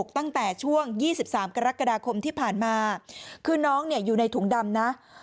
ตั้งแต่ช่วง๒๓กรกฎาคมที่ผ่านมาคือน้องอยู่ในถุงดำนะ